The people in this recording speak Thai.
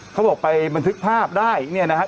เขาบอกไปบันทึกภาพได้เนี่ยนะครับ